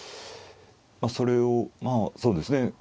それをまあそうですね